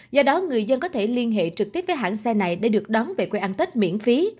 do đó người dân có thể liên hệ trực tiếp với hãng xe này để được đón về quê ăn tết miễn phí